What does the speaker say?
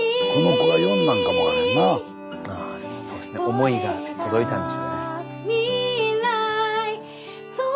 思いが届いたんでしょうね。